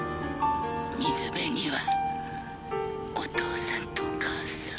水辺にはお父さんとお母さん。